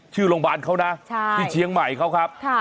ชื่อโรงพยาบาลเขานะที่เชียงใหม่เขาครับ